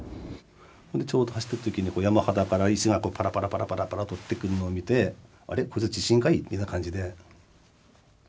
ほんでちょうど走ってる時に山肌から石がこうパラパラパラパラパラと降ってくるのを見て「あれ？これ地震かい？」みたいな感じで。